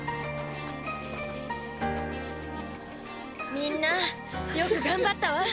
みんなよく頑張ったわ！